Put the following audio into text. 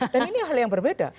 dan ini hal yang berbeda